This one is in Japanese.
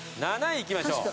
７位いきましょう。